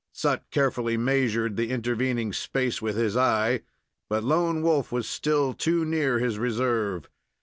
Sut carefully measured the intervening space with his eye, but Lone Wolf was still too near his reserve.